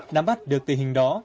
đám bắt được tình hình đó